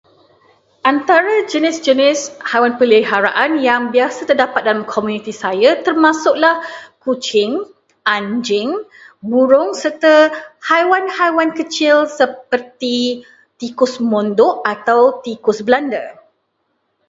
Antara jenis-jenis haiwan peliharaan yang biasa terdapat dalam komuniti saya termasuklah kucing, anjing, burung serta haiwan-haiwan kecil seperti tikus mondok atau tikus belanda.